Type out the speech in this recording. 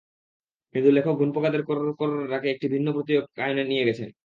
কিন্তু লেখক ঘুণপোকাদের করর্ করর্ ডাককে একটি ভিন্ন প্রতীকায়নে নিয়ে গেছেন।